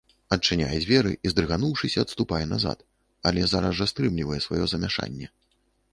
Адчыняе дзверы і, здрыгануўшыся, адступае назад, але зараз жа стрымлівае сваё замяшанне.